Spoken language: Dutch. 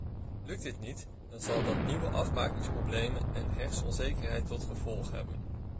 Lukt dit niet, dan zal dat nieuwe afbakeningsproblemen en rechtsonzekerheid tot gevolg hebben.